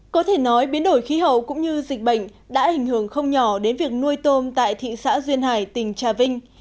có thể nói biến đổi khí hậu cũng như dịch bệnh đã hình hưởng không nhỏ đến việc nuôi tôm tại thị xã duyên hải tỉnh trà vinh